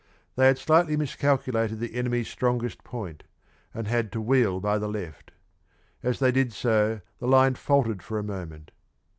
They had slightly miscalculated the enemy's strongest point, and had to wheel by the left. As they did so the line faltered for a moment.